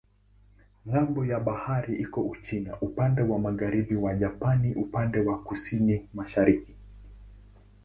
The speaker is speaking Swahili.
Ng'ambo ya bahari iko Uchina upande wa magharibi na Japani upande wa kusini-mashariki.